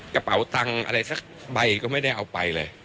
กระเป๋าตังค์อะไรสักใบก็ไม่ได้เอาไปเลย